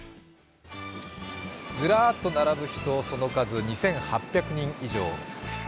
ずらーっと並ぶ人、その数、２８００人以上。